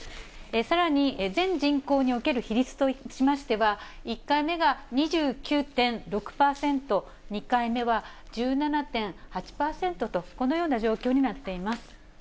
さらに全人口における比率としましては、１回目が２９．６％、２回目は１７．８％と、このような状況になっています。